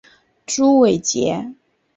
朱伟捷。